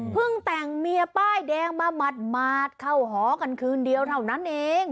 แต่งเมียป้ายแดงมาหมาดเข้าหอกันคืนเดียวเท่านั้นเอง